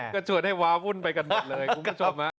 ก็ชวนให้วาวุ่นไปกันหมดเลยคุณผู้ชม